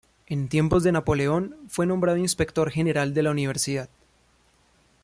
En tiempos de Napoleón fue nombrado Inspector General de la Universidad.